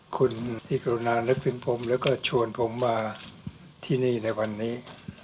คุณที่คุณานักษึนพร้อมแล้วก็ชวนนี่ในวันนี้